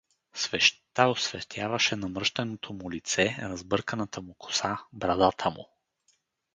Свещта осветяваше намръщеното му лице, разбърканата му коса, брадата му.